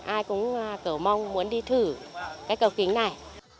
ai cũng cờ mong muốn đi thử cây cầu kính này